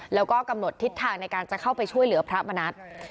แล้วก็กำหนดทิศทางในการจะเข้าไปช่วยเหลือพระมณัฐ